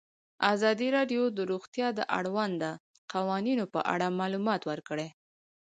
ازادي راډیو د روغتیا د اړونده قوانینو په اړه معلومات ورکړي.